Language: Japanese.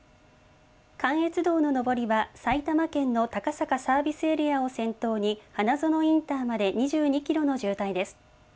関越道の上りは埼玉県の高坂サービスエリアを先頭に花園インターまで２２キロの渋滞です。